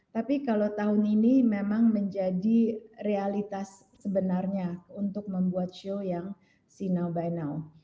tapi kalau tahun ini memang menjadi realitas sebenarnya untuk membuat show yang si now by now